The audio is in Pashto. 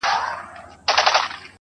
ته به د خوب په جزيره كي گراني ~